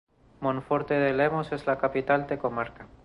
Monforte de Lemos es la capital de la comarca.